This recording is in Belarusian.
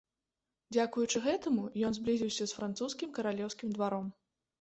Дзякуючы гэтаму ён зблізіўся з французскім каралеўскім дваром.